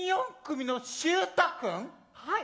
はい。